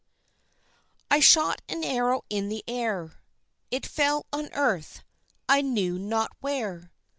] "I shot an arrow in the air; It fell on earth, I knew not where.